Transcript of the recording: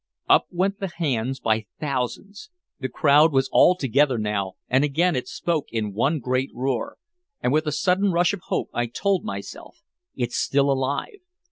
Up went the hands by thousands, the crowd was all together now and again it spoke in one great roar. And with a sudden rush of hope I told myself, "It's still alive!